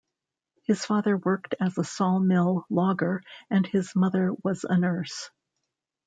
His father worked as a sawmill logger and his mother was a nurse.